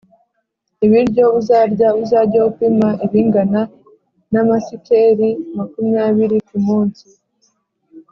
Ibiryo uzarya, uzajye upima ibingana n’amasikeli makumyabiri ku munsi